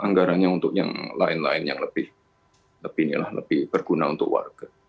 anggarannya untuk yang lain lain yang lebih berguna untuk warga